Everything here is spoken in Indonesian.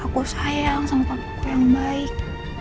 aku sayang sama aku yang baik